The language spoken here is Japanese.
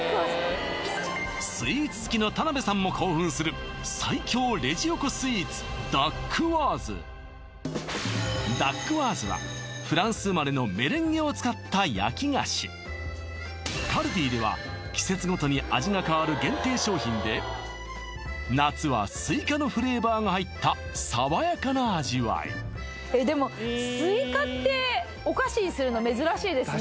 スイーツ好きの田辺さんも興奮する最強レジ横スイーツダックワーズはフランス生まれのメレンゲを使った焼き菓子カルディでは夏はスイカのフレーバーが入った爽やかな味わいえっでもスイカってお菓子にするの珍しいですね